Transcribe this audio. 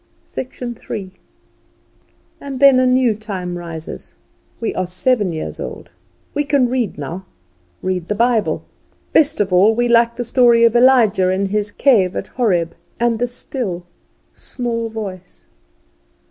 III. And then a new time rises. We are seven years old. We can read now read the Bible. Best of all we like the story of Elijah in his cave at Horeb, and the still small voice.